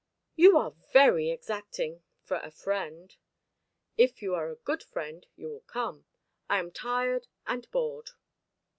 "You are very exacting for a friend." "If you are a good friend, you will come. I am tired and bored."